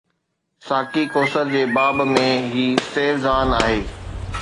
ساقي ڪوثر جي باب ۾ هي سيو زان آهي